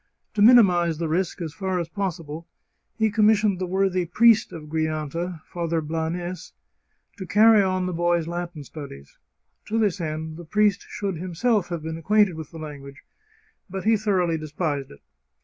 To minimize the risk as far as possible, he commissioned the worthy priest of Grianta, Father Blanes, to carry on the boy's Latin studies. To this end the priest should him self have been acquainted with the language. But he thor oughly despised it.